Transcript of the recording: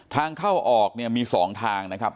ทางเข้าออกเนี่ยมี๒ทางนะครับ